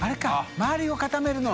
周りを固めるの。